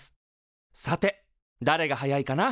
さてだれが速いかな？